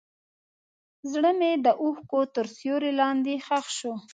زړه مې د اوښکو تر سیوري لاندې ښخ شو.